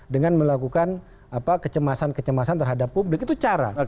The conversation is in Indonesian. dengan melakukan kecemasan kecemasan terhadap publik itu cara